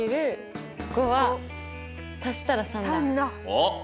おっ！